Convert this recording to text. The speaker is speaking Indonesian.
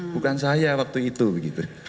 bukan saya waktu itu begitu